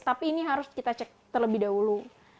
tapi ini harus kita cek terlebih dahulu